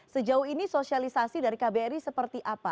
sejauh ini sosialisasi dari kbr ini seperti apa